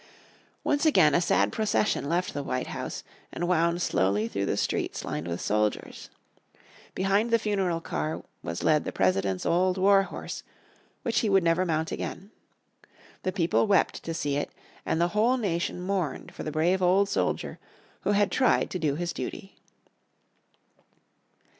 Once again a sad procession left the White House, and wound slowly through the streets lined with soldiers. Behind the funeral car was led the President's old war horse which he would never mount again. The people wept to see it, and the whole nation mourned for the brave old soldier who had tried to do his duty.